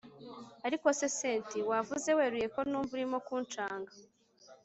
ariko se cynti! wavuze weruye ko numva urimo kunshanga